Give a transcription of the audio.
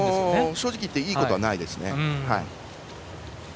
正直言っていいことはないですね。